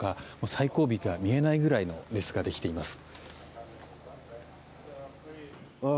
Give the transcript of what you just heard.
最後尾が見えないぐらいの列ができています。